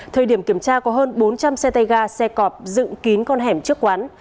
thời điểm kiểm tra có hơn bốn trăm linh xe tay ga xe cọp dựng kín con hẻm trước quán